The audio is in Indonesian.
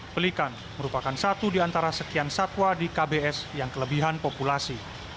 pelikan merupakan satu di antara sekian satwa di kbs yang kelebihan populasi